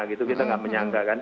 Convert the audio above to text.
kita tidak menyangka